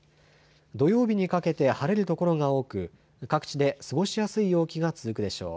土曜日にかけて晴れる所が多く各地で過ごしやすい陽気が続くでしょう。